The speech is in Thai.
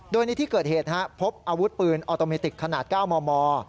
โดยในที่เกิดเหตุพบอาวุธปืนออโตเมติกขนาด๙มม